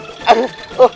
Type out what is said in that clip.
hebat bisa ini